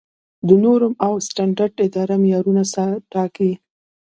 د نورم او سټنډرډ اداره معیارونه ټاکي؟